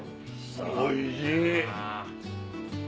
おいしい！